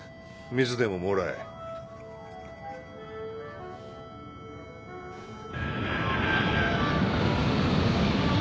水でももらえ。